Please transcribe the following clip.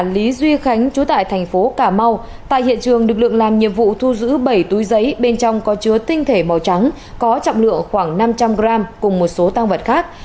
lý duy khánh chú tại thành phố cà mau tại hiện trường lực lượng làm nhiệm vụ thu giữ bảy túi giấy bên trong có chứa tinh thể màu trắng có trọng lượng khoảng năm trăm linh g cùng một số tăng vật khác